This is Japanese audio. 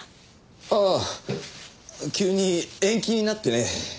ああ急に延期になってね。